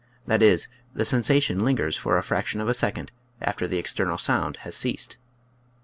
That is, the sensa tion lingers for a fraction of a second after the external sound has ceased.